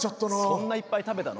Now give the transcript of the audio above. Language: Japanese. そんないっぱい食べたの？